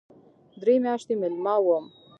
درې میاشتې مېلمه وم.